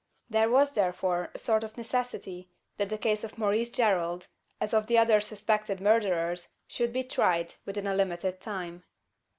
There was, therefore, a sort of necessity, that the case of Maurice Gerald, as of the other suspected murderers, should be tried within a limited time.